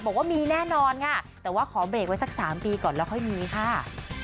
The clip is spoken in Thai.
บอกว่ามีแน่นอนค่ะแต่ว่าขอเบรกไว้สัก๓ปีก่อนแล้วค่อยมีค่ะ